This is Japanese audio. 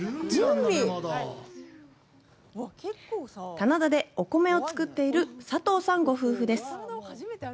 棚田でお米を作っている佐藤さんご夫婦です。